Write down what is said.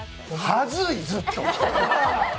はずい、ずっと。